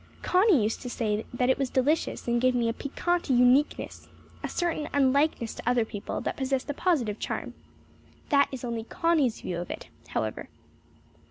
Connie used to say that it was delicious and gave me a piquant uniqueness a certain unlikeness to other people that possessed a positive charm. That is only Connie's view of it, however.